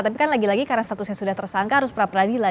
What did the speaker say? tapi kan lagi lagi karena statusnya sudah tersangka harus pra peradilan